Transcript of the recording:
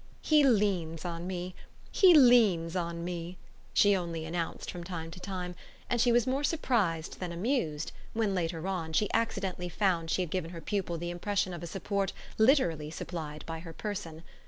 "He leans on me he leans on me!" she only announced from time to time; and she was more surprised than amused when, later on, she accidentally found she had given her pupil the impression of a support literally supplied by her person.